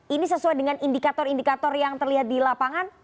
ini sesuai dengan indikator indikator yang terlihat di lapangan